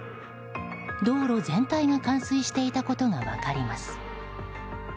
道路全体が冠水していたことが分かります。